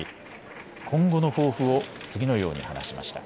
今後の抱負を次のように話しました。